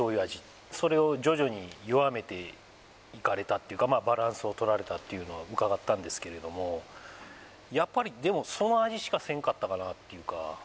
販売それをまあバランスを取られたっていうのは伺ったんですけれどもやっぱりでもその味しかせんかったかなっていうか